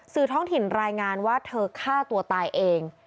ท้องถิ่นรายงานว่าเธอฆ่าตัวตายเอง